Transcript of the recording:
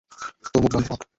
তোর মুখ বন্ধ রাখ।